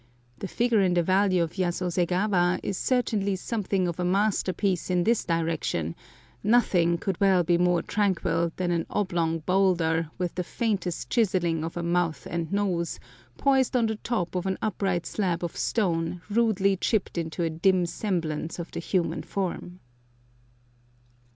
The figure in the Valley of Yasose gawa is certainly something of a masterpiece in this direction; nothing could well be more tranquil than an oblong bowlder with the faintest chiselling of a mouth and nose, poised on the top of an upright slab of stone rudely chipped into a dim semblance of the human form.